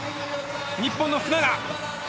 日本の福永！